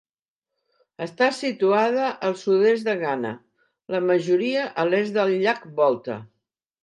Està situada al sud-est de Ghana, la majoria a l'est del llac Volta.